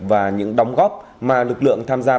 và những đóng góp mà lực lượng tham gia